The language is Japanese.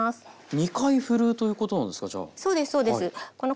２回ふるうということなんですか？